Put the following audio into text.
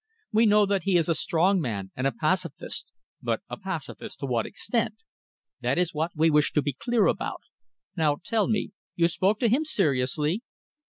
We know that he is a strong man and a pacifist, but a pacifist to what extent? That is what we wish to be clear about. Now tell me, you spoke to him seriously?"